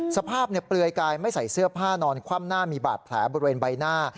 เปลือยกายไม่ใส่เสื้อผ้านอนคว่ำหน้ามีบาดแผลบริเวณใบหน้า